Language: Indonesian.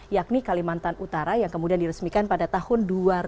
yakni kalimantan utara yang kemudian diresmikan pada tahun dua ribu dua